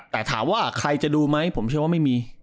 แต่ถามว่าใครจะดูไหมผมเชื่อว่าไม่มี